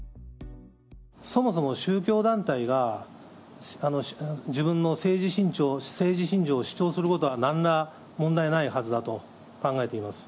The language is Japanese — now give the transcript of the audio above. そもそも宗教団体が、自分の政治信条を主張することは、なんら問題ないはずだと考えています。